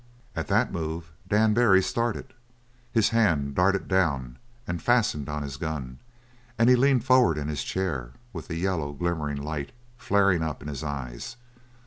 At that move Dan Barry started. His hand darted down and fastened on his gun, and he leaned forward in his chair with the yellow glimmering light flaring up in his eyes.